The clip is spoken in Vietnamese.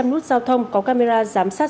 hai trăm linh nút giao thông có camera giám sát